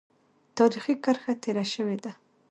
تاریخي کرښه تېره شوې ده.